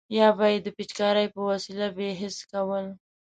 یا به یې د پیچکارۍ په وسیله بې حس کول.